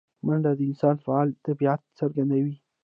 منډه د انسان فعاله طبیعت څرګندوي